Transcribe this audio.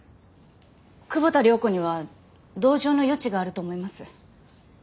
久保田涼子には同情の余地があると思います。